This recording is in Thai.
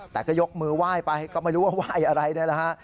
แต่ก็ยกมือไหว้ไปก็ไม่รู้ว่าไหว้อะไรนี่แหละฮะ